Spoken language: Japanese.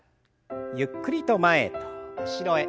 ゆっくりと前と後ろへ。